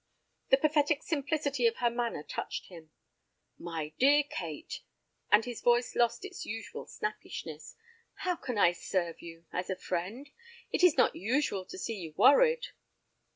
The pathetic simplicity of her manner touched him. "My dear Kate," and his voice lost its usual snappishness, "how can I serve you—as a friend? It is not usual to see you worried."